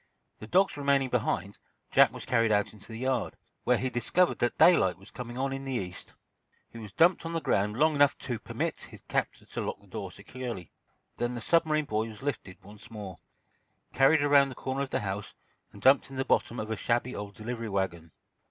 The dogs remaining behind, Jack was carried out into the yard, where he discovered that daylight was coming on in the East. He was dumped on the ground long enough to permit his captor to lock the door securely. Then the submarine boy was lifted once more, carried around the corner of the house and dumped in the bottom of a shabby old delivery wagon.